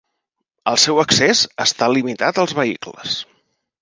El seu accés està limitat als vehicles.